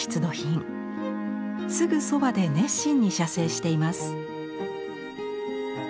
すぐそばで熱心に写生しています。